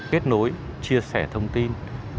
kết nối chia sẻ thông tin